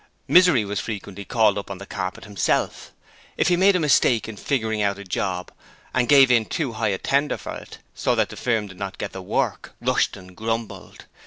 Misery was frequently called 'up on the carpet' himself. If he made a mistake in figuring out a 'job', and gave in too high a tender for it, so that the firm did not get the work, Rushton grumbled.